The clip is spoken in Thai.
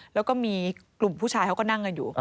แล้วก็มีกลุ่มผู้ชายเขาก็นั่งกันอยู่